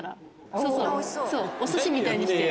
そうそうお寿司みたいにして。